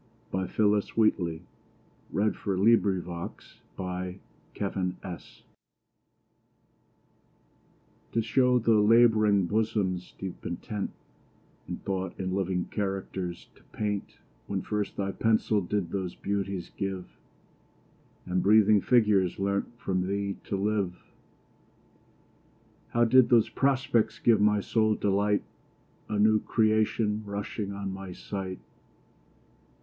M. a young African Painter, on seeing his Works. TO show the lab'ring bosom's deep intent, And thought in living characters to paint, When first thy pencil did those beauties give, And breathing figures learnt from thee to live, How did those prospects give my soul delight, A new creation rushing on my sight?